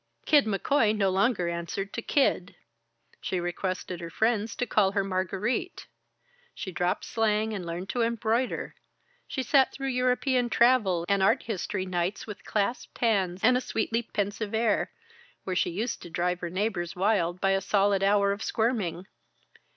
Kid McCoy no longer answered to "Kid." She requested her friends to call her "Margarite." She dropped slang and learned to embroider; she sat through European Travel and Art History nights with clasped hands and a sweetly pensive air, where she used to drive her neighbors wild by a solid hour of squirming.